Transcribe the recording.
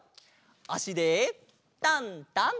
あしでタンタン！